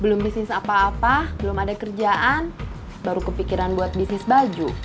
belum bisnis apa apa belum ada kerjaan baru kepikiran buat bisnis baju